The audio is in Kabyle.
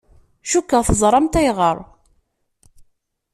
Cukkeɣ teẓramt ayɣer.